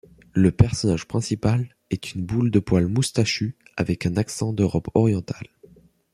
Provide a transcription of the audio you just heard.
Le personnage principal est une boule de poil moustachue avec un accent d'Europe Orientale.